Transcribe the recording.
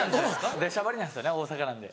出しゃばりなんですよね大阪なんで。